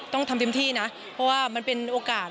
ต้องทำเต็มที่นะเพราะว่ามันเป็นโอกาส